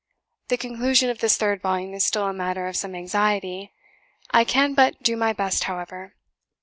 The conclusion of this third volume is still a matter of some anxiety: I can but do my best, however.